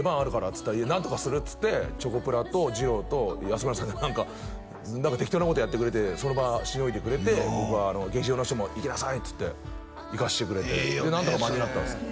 っつったら「なんとかする」っつってチョコプラとじろうと安村さんで何か適当なことやってくれてその場しのいでくれて僕は劇場の人も「行きなさい」っつって行かせてくれてでなんとか間に合ったんです